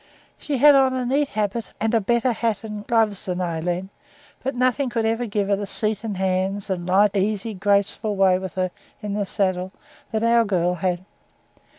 She had on a neat habit and a better hat and gloves than Aileen, but nothing could ever give her the seat and hand and light, easy, graceful way with her in the saddle that our girl had.